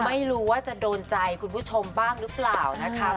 ไม่รู้ว่าจะโดนใจคุณผู้ชมบ้างหรือเปล่านะคะ